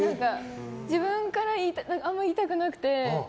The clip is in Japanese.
自分からあんまり言いたくなくて。